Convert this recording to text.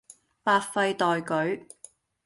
百廢待舉